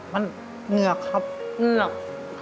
มันเหงือกครับเหงือก